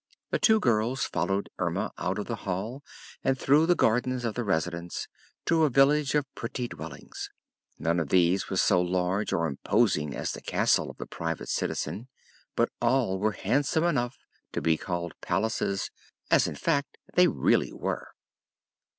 The two girls followed Erma out of the hall and through the gardens of the Residence to a village of pretty dwellings. None of these was so large or imposing as the castle of the Private Citizen, but all were handsome enough to be called palaces as, in fact, they really were.